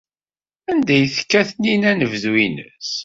Anda ay tekka Taninna anebdu-nnes?